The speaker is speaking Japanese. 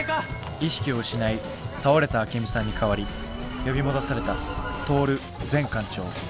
意識を失い倒れたアケミさんに代わり呼び戻されたトオル前艦長。